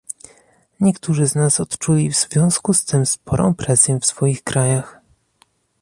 Niektórzy z nas odczuli w związku z tym sporą presję w swoich krajach